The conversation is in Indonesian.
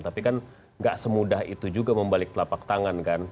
tapi kan gak semudah itu juga membalik telapak tangan kan